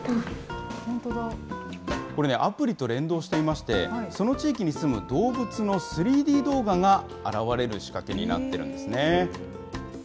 これね、アプリと連動していまして、その地域に住む動物の３Ｄ動画が現れる仕掛けになってるんですね。